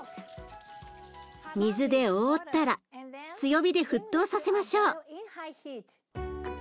水で覆ったら強火で沸騰させましょう。